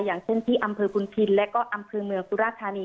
อย่างเช่นที่อำเภอพุนพินและก็อำเภอเมืองสุราธานี